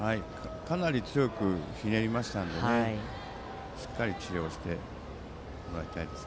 かなり強くひねりましたのでしっかり治療してもらいたいです。